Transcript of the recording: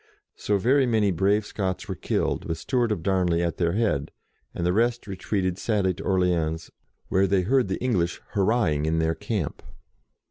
So very many brave Scots were killed, with Stewart of Darnley at their head, and the rest retreated sadly to Orleans, where they heard the English hurrahing in their camp.